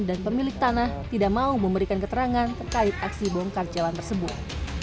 dan pemilik tanah tidak mau memberikan keterangan terkait aksi bongkar jalan tersebut